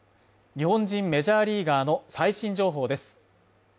日本人メジャーリーガーの最新情報です。